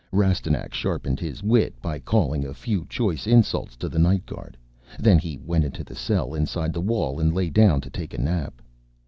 Rastignac sharpened his wit by calling a few choice insults to the night guard, then went into the cell inside the wall and lay down to take a nap.